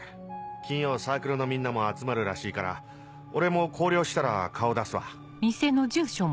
金曜サークルのみんなも集まるらしいから俺も校了したら顔出すわ！」。